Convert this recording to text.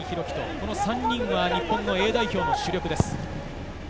この３人は日本のＡ代表の主力です。